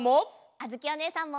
あづきおねえさんも！